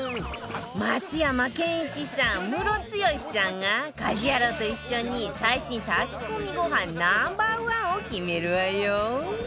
松山ケンイチさんムロツヨシさんが家事ヤロウと一緒に最新炊き込みご飯 Ｎｏ．１ を決めるわよ